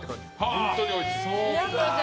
本当においしい。